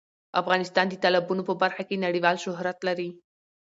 افغانستان د تالابونو په برخه کې نړیوال شهرت لري.